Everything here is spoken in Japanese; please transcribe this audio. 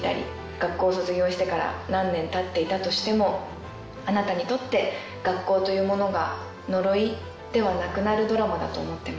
学校を卒業してから何年たっていたとしてもあなたにとって学校というものが呪いではなくなるドラマだと思ってます。